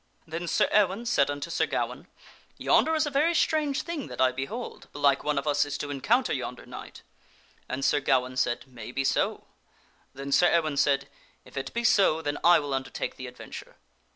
Then Sir Ewaine said unto Sir Gawaine, " Yonder is a very strange thing that I behold ; belike one of us is to encounter yonder knight." And Sir Gawaine said, " Maybe so." Then Sir Ewaine said, " If it be so then I will undertake the adventure."